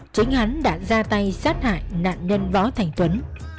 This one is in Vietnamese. chính hắn đã ra tay sát hại nạn nhân võ thành tuấn